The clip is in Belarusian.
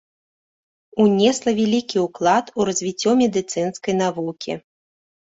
Унесла вялікі ўклад у развіццё медыцынскай навукі.